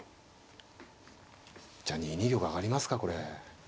じゃあ２二玉上がりますかこれ。